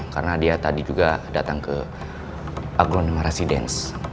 karena dia tadi juga datang ke aglone residence